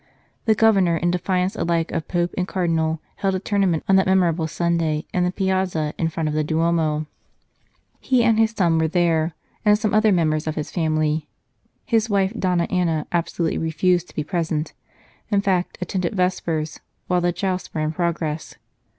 The Governor, in defiance alike of Pope and Cardinal, held a tournament on that memorable Sunday in the piazza in front of the Duomo. He and his son were there, and some other members of his family. His wife, Donna Anna, absolutely refused to be present in fact, attended Vespers while the jousts were in progress.